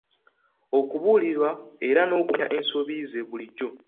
Okubuulirirwa era n'okumanya ensobi ze bulijjo.